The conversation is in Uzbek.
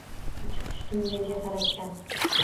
Uchib tushdim yerga falakdan